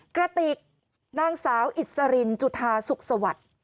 กระติกนางสาวอิสรินจุธาสุขสวัสดิ์